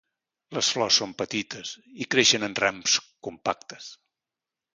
Les flors són petites i creixen en rams compactes.